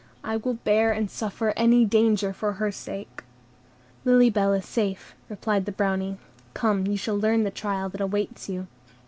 I will bear and suffer any danger for her sake." "Lily Bell is safe," replied the Brownie; "come, you shall learn the trial that awaits you."